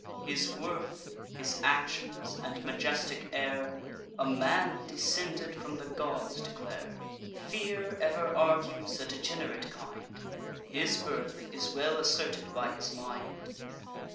His worth, his actions, and majestic air, A man descended from the gods declare. Fear ever argues a degenerate kind; His birth is well asserted by his mind.